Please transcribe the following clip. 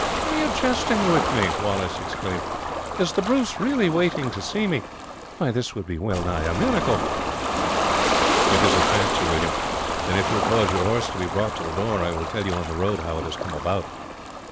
"Are you jesting with me?" Wallace exclaimed. "Is the Bruce really waiting to see me? Why, this would be well nigh a miracle." "It is a fact, Sir William; and if you will cause your horse to be brought to the door I will tell you on the road how it has come about."